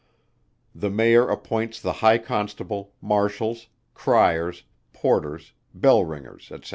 The Mayor appoints the High Constable, Marshals, Cryers, Porters, Bell ringers, &c.